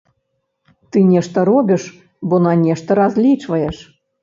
Ты нешта робіш, бо на нешта разлічваеш.